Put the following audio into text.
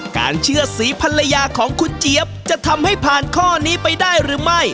การเชื่อสีภรรยาของคุณเจี๊ยบจะทำให้ผ่านข้อนี้ไปได้หรือไม่